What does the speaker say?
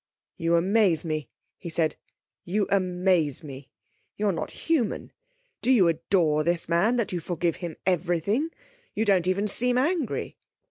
'You amaze me,' he said. 'You amaze me. You're not human. Do you adore this man, that you forgive him everything? You don't even seem angry.'